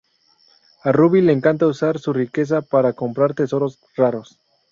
A Ruby le encanta usar su riqueza para comprar tesoros raros.